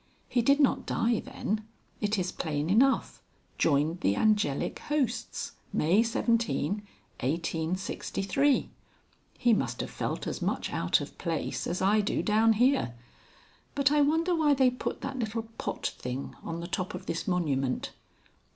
He did not die then.... It is plain enough, Joined the Angelic Hosts, May 17, 1863. He must have felt as much out of place as I do down here. But I wonder why they put that little pot thing on the top of this monument.